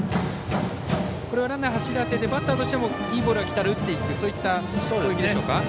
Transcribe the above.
ランナーを走らせてバッターとしたらいいボールが来たら打っていくそういった攻撃でしょうか。